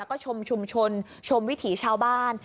ก็ชมชุมชนชมวิถีชาวบ้าน